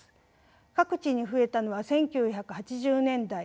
各地に増えたのは１９８０年代。